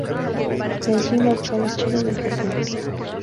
De allí marchó a la China y el Japón.